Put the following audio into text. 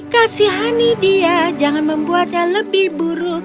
kasihani dia jangan membuatnya lebih buruk